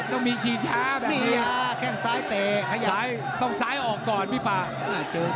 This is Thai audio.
ตีช้าแบบนี้ต้องซ้ายออกก่อนพี่ปัง